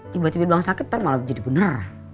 tiba tiba bilang sakit nanti malah jadi bener